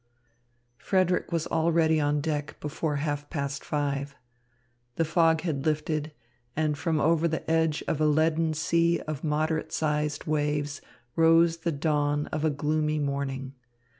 Frederick was already on deck before half past five. The fog had lifted, and from over the edge of a leaden sea of moderate sized waves rose the dawn of a gloomy morning.